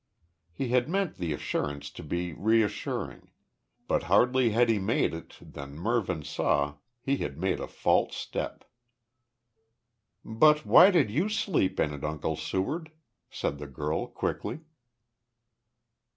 He had meant the assurance to be reassuring, but hardly had he made it than Mervyn saw he had made a false step. "But why did you sleep in it, Uncle Seward?" said the girl, quickly.